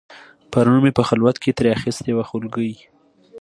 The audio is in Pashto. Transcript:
پرون مې په خلوت کې ترې اخیستې وه خولګۍ